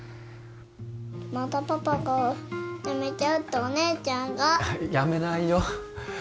またパパが辞めちゃうってお姉ちゃんが辞めないよ